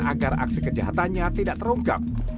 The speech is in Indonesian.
agar aksi kejahatannya tidak terungkap